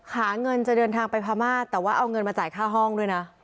หาเงินจะเดินทางไปพม่าแต่ว่าเอาเงินมาจ่ายค่าห้องด้วยนะ